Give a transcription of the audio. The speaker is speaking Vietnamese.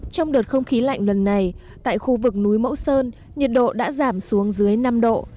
trong đợt không khí lạnh lần này tại khu vực núi mẫu sơn nhiệt độ đã giảm xuống dưới năm độ